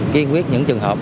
kiên quyết những trường hợp